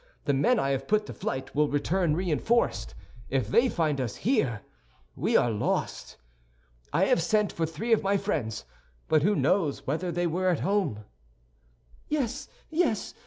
The men I have put to flight will return reinforced; if they find us here, we are lost. I have sent for three of my friends, but who knows whether they were at home?" "Yes, yes!